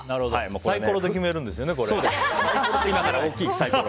サイコロで決めるんですよね